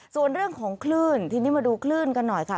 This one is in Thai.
ส่วนเรื่องของคลื่นทีนี้มาดูคลื่นกันหน่อยค่ะ